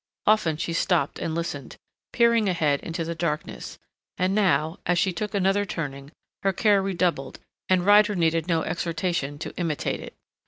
Often she stopped and listened, peering ahead into the darkness, and now, as she took another turning, her care redoubled and Ryder needed no exhortation to imitate it.